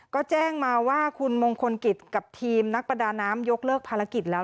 ก็แจ้งมาว่าคุณมงคลกิจกับทีมนักประดาน้ำยกเลิกภารกิจแล้ว